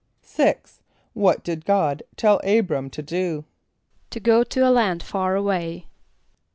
= =6.= What did God tell [=A]´br[)a]m to do? =To go to a land far away.